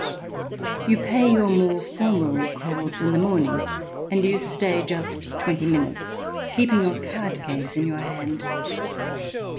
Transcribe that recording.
You pay your more formal calls in the morning and you stay just twenty minutes, keeping your card case in your hand.